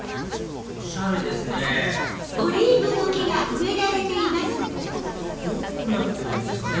おしゃれですねどうなってるんですかね？